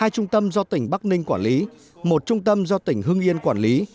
hai trung tâm do tỉnh bắc ninh quản lý một trung tâm do tỉnh hưng yên quản lý